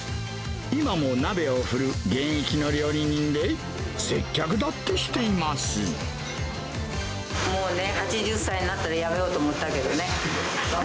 今も鍋を振る現役の料理人で、もうね、８０歳になったら辞めようと思ったけどね。